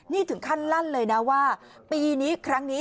นี่ถึงขั้นลั่นเลยนะว่าปีนี้ครั้งนี้